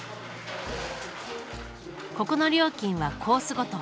ここの料金はコースごと。